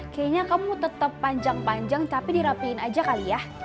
kayaknya kamu tetap panjang panjang tapi dirapihin aja kali ya